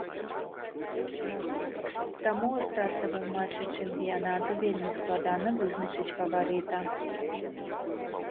Таму ў стартавым матчы чэмпіянату вельмі складана вызначыць фаварыта.